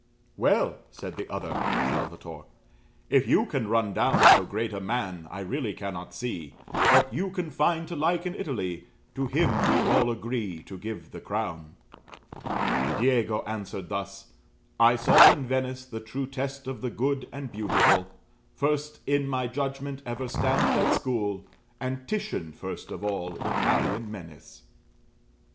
"'Well,' said the other" [Salvator], 'if you can run down So great a man, I really cannot see What you can find to like in Italy; To him we all agree to give the crown.' "Diego answered thus: 'I saw in Venice The true test of the good and beautiful; First in my judgment, ever stands that school, And Titian first of all Italian men is.'"